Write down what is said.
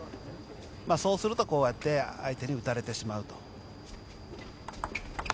そうすると、こうやって相手に打たれてしまうと。